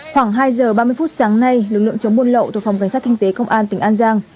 khoảng hai giờ ba mươi phút sáng nay lực lượng chống buôn lậu thuộc phòng cảnh sát kinh tế công an tỉnh an giang